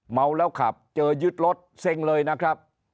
เมาแล้วขับเจอยึดรถเซ็งเลยนะครับ